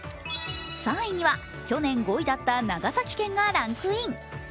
３位には去年５位だった長崎県がランクイン。